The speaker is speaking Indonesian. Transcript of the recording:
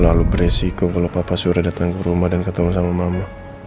terlalu beresiko kalau papa sore datang ke rumah dan ketemu sama mama